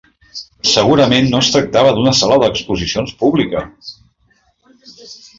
Segurament no es tractava d'una sala d'exposicions pública!